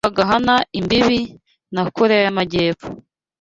kitwa Ka gahana imbibi na Koreya y’Amajyepfo